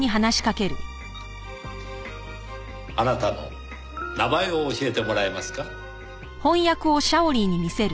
あなたの名前を教えてもらえますか？